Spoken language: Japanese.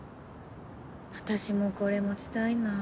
私もこれ持ちたいなぁ。